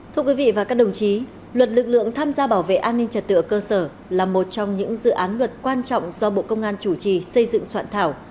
thưa quý vị và các đồng chí luật lực lượng tham gia bảo vệ an ninh trật tự ở cơ sở là một trong những dự án luật quan trọng do bộ công an chủ trì xây dựng soạn thảo